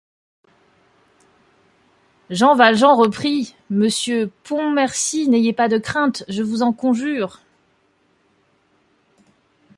Jean Valjean reprit :— Monsieur Pontmercy, n’ayez pas de crainte, je vous en conjure.